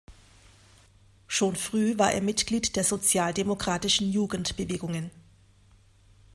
Schon früh war er Mitglied der sozialdemokratischen Jugendbewegungen.